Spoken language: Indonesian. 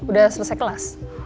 udah selesai kelas